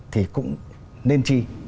thì cũng nên chi